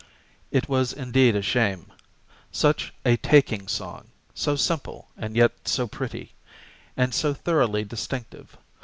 It was indeed a shame. Such a taking song; so simple, and yet so pretty, and so thoroughly distinctive.